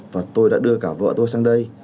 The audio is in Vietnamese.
và tôi đã đưa cả vợ tôi sang đây